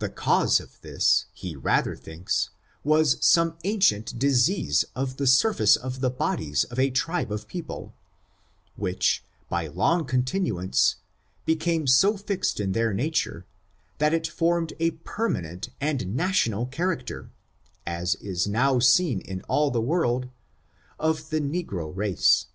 The cause of this he rather thinks, was some ancient dis ease of the surface of the bodies of a tribe of people, which, by long continuance, became so fixed in their nature, that it formed a permanent and national char acter, as now seen in all the world, of the negro race.